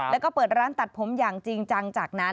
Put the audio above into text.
แล้วก็เปิดร้านตัดผมอย่างจริงจังจากนั้น